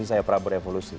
saya prabu revolusi